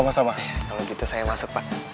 kalau gitu saya masuk pak